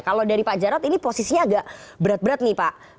kalau dari pak jarod ini posisinya agak berat berat nih pak